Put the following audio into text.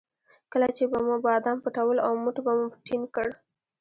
کله چې به مو بادام پټول او موټ به مو ټینګ کړ.